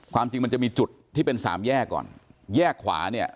ความจริงมันจะมีจุดที่เป็นสามแยกก่อนแยกขวาเนี่ย